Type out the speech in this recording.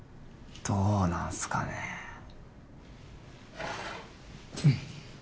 どうなんすかねぇ？